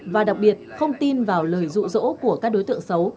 và đặc biệt không tin vào lời rụ rỗ của các đối tượng xấu